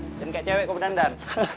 jangan kayak cewek kok berdandar